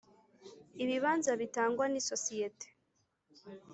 ibibanza bitangwa n isosiyete